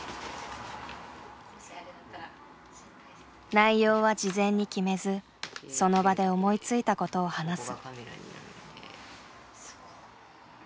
内容は事前に決めずその場で思いついたことを話す。